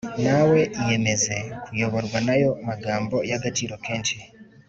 Nawe iyemeze kuyoborwa n’ayo magambo y agaciro kenshi .